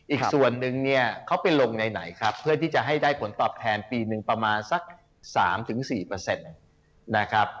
อีกส่วนหนึ่งเขาไปลงไหนเพื่อที่จะให้ได้ผลตอบแทนปีหนึ่งประมาณสัก๓๔